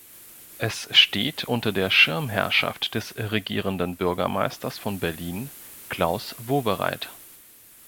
Es steht unter der Schirmherrschaft des Regierenden Bürgermeisters von Berlin, Klaus Wowereit.